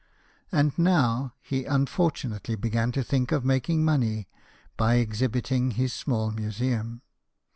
And now he unfortunately began to think of making money by exhibiting his small museum.